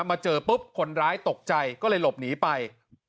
มาเจอปุ๊บคนร้ายตกใจก็เลยหลบหนีไป